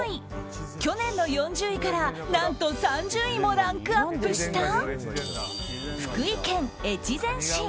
去年の４０位から何と３０位もランクアップした福井県越前市。